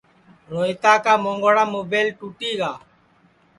روہیتا کا مونٚگوڑا مُبیل ٹُوٹی گا